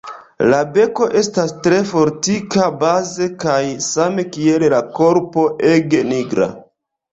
La beko estas tre fortika baze kaj same kiel la korpo ege nigra.